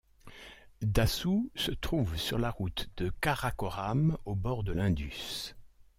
Dassu se trouve sur la route du Karakoram, au bord de l'Indus.